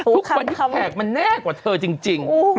ทุกบรรยากแพกมันแน่กว่าเธอจริง